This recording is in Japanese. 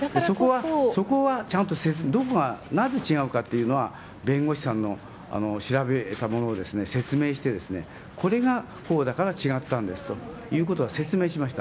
そこはちゃんと、どこがなぜ違うかというのは、弁護士さんの調べたものを説明して、これがこうだから違ったんですということは説明しました。